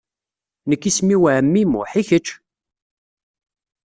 Nekk isem-iw ɛemmi Muḥ, i kečč?